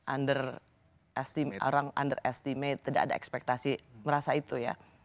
underestimate orang underestimate tidak ada ekspektasi merasa itu ya